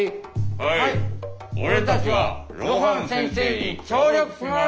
はい俺たちは露伴先生に協力します。